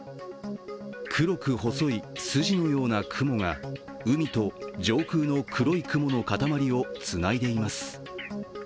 黒く細い筋のような雲が海と上空の黒い雲の塊をつないでいます。